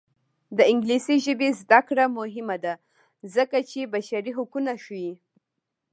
د انګلیسي ژبې زده کړه مهمه ده ځکه چې بشري حقونه ښيي.